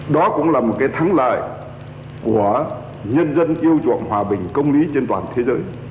đó cũng là một cái thắng lợi của nhân dân yêu chuộng hòa bình công lý trên toàn thế giới